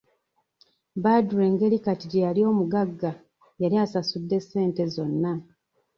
Badru engeri kati gye yali omugagga yali asasudde ssente zonna.